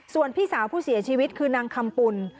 ส่วนพี่สาวผู้เสียชีวิตคือนางคำปุ่น